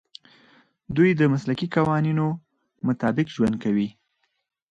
دوی د مسلکي قوانینو مطابق ژوند کوي.